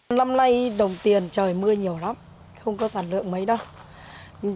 năm nay đồng tiền trời mưa nhiều lắm không có sản lượng mấy đâu